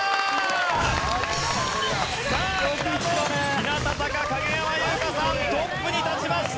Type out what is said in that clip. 日向坂影山優佳さんトップに立ちました。